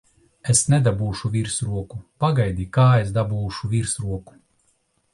Es nedabūšu virsroku! Pagaidi, kā es dabūšu virsroku!